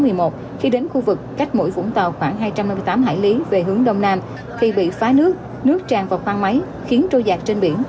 mũi vũng tàu khoảng hai trăm năm mươi tám hải lý về hướng đông nam khi bị phá nước nước tràn vào khoang máy khiến trôi giặc trên biển